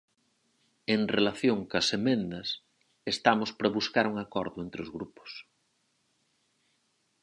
En relación coas emendas, estamos para buscar un acordo entre os grupos.